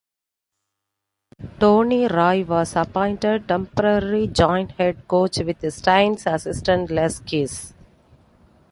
Tony Rea was appointed temporary joint head coach with Stains' assistant Les Kiss.